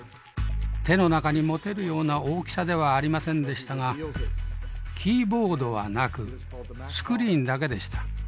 手の中に持てるような大きさではありませんでしたがキーボードはなくスクリーンだけでした。